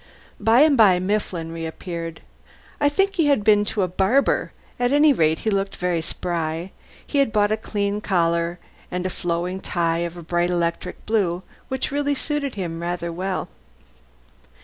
By and by Mifflin reappeared. I think he had been to a barber: at any rate he looked very spry: he had bought a clean collar and a flowing tie of a bright electric blue which really suited him rather well.